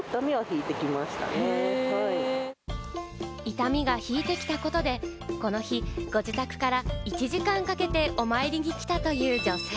痛みが引いてきたことで、この日、ご自宅から１時間かけてお参りに来たという女性。